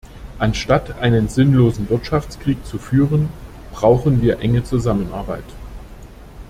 Anstatt einen sinnlosen Wirtschaftskrieg zu führen, brauchen wir enge Zusammenarbeit.